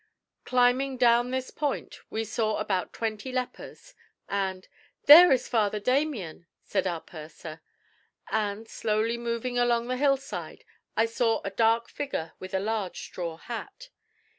Climbing down this point we saw about twenty lepers, and "There is Father Damien!" said our purser; and, slowly moving along the hillside, I saw a dark figure with a large straw hat.